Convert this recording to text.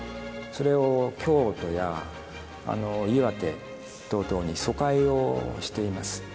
それを京都や岩手等々に疎開をしています。